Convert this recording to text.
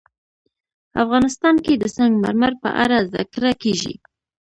افغانستان کې د سنگ مرمر په اړه زده کړه کېږي.